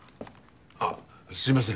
あっすいません。